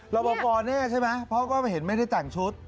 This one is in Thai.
รอพอแน่ใช่ไหมเพราะก็เห็นไม่ได้แต่งชุด